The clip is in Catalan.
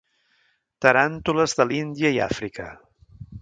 Taràntules de l'Índia i Àfrica.